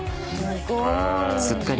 すごい。